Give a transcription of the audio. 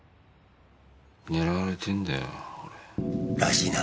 狙われてんだよ俺。らしいな。